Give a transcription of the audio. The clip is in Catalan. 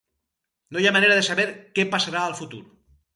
No hi ha manera de saber què passarà al futur.